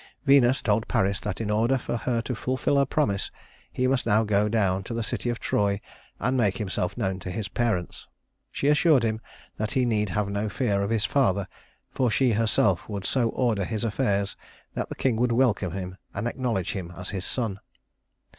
Venus told Paris that in order for her to fulfill her promise, he must now go down to the city of Troy and make himself known to his parents. She assured him that he need have no fear of his father, for she herself would so order his affairs that the king would welcome him and acknowledge him as his son.